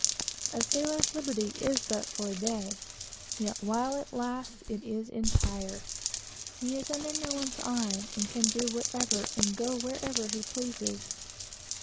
A sailor's liberty is but for a day; yet while it lasts it is perfect. He is under no one's eye, and can do whatever, and go wherever, he pleases.